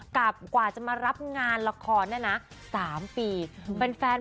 กรริกก่อนจะมารับงานราคอนั่นนะสามปีฮือเป็นแฟน